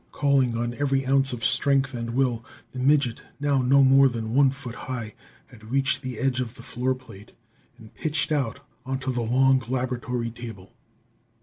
Calling on every ounce of strength and will, the midget, now no more than one foot high, had reached the edge of the floor plate and pitched out onto the long laboratory table.